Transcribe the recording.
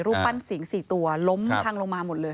รูปปั้นสิงสี่ตัวล้มทางลงมาหมดเลย